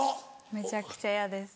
めちゃくちゃ嫌です